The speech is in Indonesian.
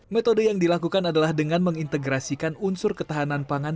metode yang dilakukan adalah dengan mengintegrasikan unsur ketahanan pangan